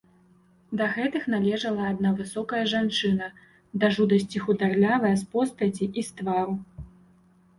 Да гэтых належала адна высокая жанчына, да жудасці хударлявая з постаці і з твару.